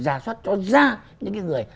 giả soát cho ra những người